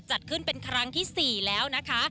จัดขึ้นเป็นครั้งที่๔แล้วนะคะ